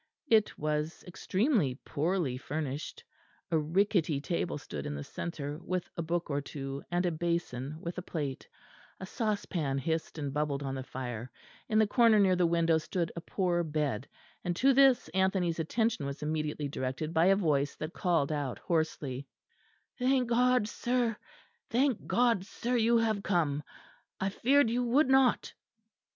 It was extremely poorly furnished; a rickety table stood in the centre with a book or two and a basin with a plate, a saucepan hissed and bubbled on the fire; in the corner near the window stood a poor bed; and to this Anthony's attention was immediately directed by a voice that called out hoarsely: "Thank God, sir, thank God, sir, you have come! I feared you would not."